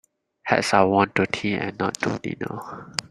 Hats are worn to tea and not to dinner.